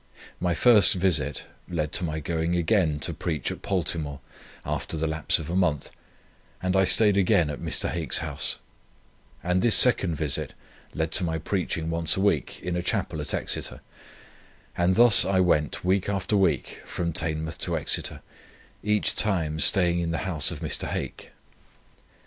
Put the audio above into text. My first visit led to my going again to preach at Poltimore, after the lapse of a month, and I stayed again at Mr. Hake's house; and this second visit led to my preaching once a week in a chapel at Exeter; and thus I went, week after week, from Teignmouth to Exeter, each time staying in the house of Mr. Hake.